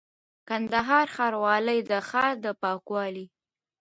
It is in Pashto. :کندهار ښاروالي د ښار د پاکوالي،